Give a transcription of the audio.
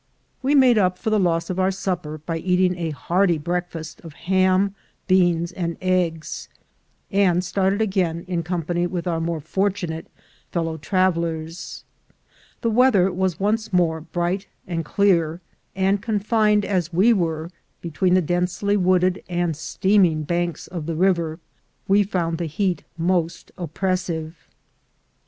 We made up for the loss of our supper by eating a hearty breakfast of ham, beans, and eggs, and started again in company with our more fortunate fellow travelers. The weather was once more bright and clear, and confined as we were between the densely wooded and steaming banks of the river, we found the heat most oppressive.